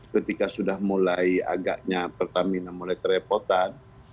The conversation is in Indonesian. ketika sudah mulai agaknya pertamina mulai kerepotan